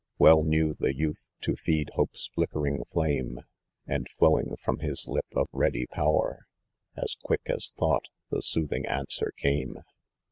Well knew the youth to feed Hope's flickering flame, And flowing from, his lip of ready power, As quick as thought the soothing answer came.